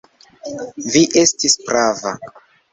Vi estis prava.